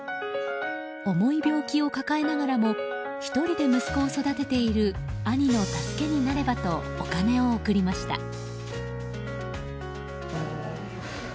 重い病気を抱えながらも１人で息子を育てている兄の助けになればとお金を送りました。